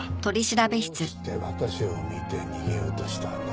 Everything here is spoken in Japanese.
どうして私を見て逃げようとしたんだ？